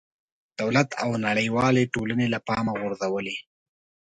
دولت او نړېوالې ټولنې له پامه غورځولې.